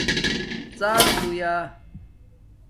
ڎر ہویݳ